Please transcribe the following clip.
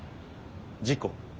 事故。